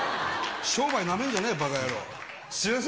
商売なめんじゃねえよ、ばか野郎。